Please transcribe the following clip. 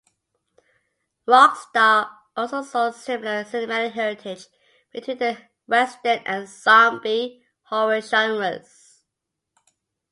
Rockstar also saw similar "cinematic heritage" between the Western and zombie horror genres.